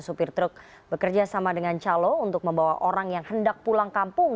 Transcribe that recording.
supir truk bekerja sama dengan calo untuk membawa orang yang hendak pulang kampung